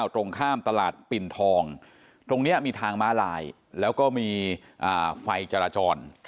ตรงข้ามตลาดปิ่นทองตรงนี้มีทางม้าลายแล้วก็มีไฟจราจร